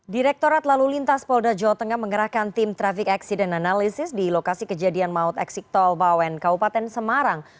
direktorat lalu lintas polda jawa tengah menggerahkan tim traffic accident analysis di lokasi kejadian maut eksik tolbawen kabupaten semarang